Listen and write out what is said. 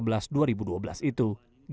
ganjar dukung dengan pak gajar